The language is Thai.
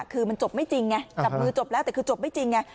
คือมันจบไม่จริงไงจับมือจบแล้วแต่คือจบไม่จริงไง